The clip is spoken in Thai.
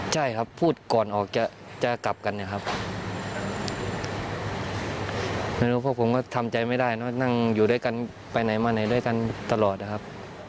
ใช่ครับพูดก่อนออกจะกลับกันนะครับไม่รู้พวกผมก็ทำใจไม่ได้เนอะนั่งอยู่ด้วยกันไปไหนมาไหนด้วยกันตลอดนะครับ